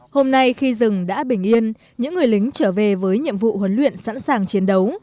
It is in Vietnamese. hôm nay khi rừng đã bình yên những người lính trở về với nhiệm vụ huấn luyện sẵn sàng chiến đấu